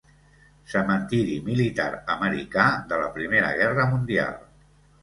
Cementiri militar americà de la Primera Guerra Mundial.